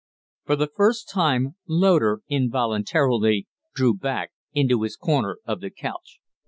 For the first time Loder involuntarily drew back into his corner of the couch.